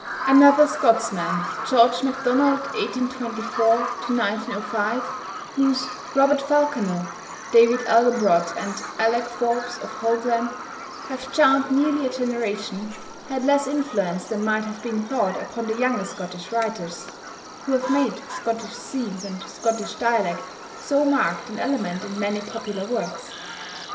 Another Scotsman, =George MacDonald (1824 )=, whose "Robert Falconer," "David Elginbrod," and "Alec Forbes of Howglen," have charmed nearly a generation, had less influence than might have been thought upon the younger Scottish writers, who have made Scottish scenes and Scottish dialect so marked an element in many popular works.